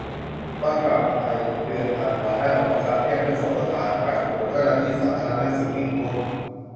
ตอนกลับมาไทย เดือนธันวา นั่งรอคัดแยกเพื่อส่งสถานกักตัว เจ้าหน้าที่สาธารณสุขวิ่งวุ่น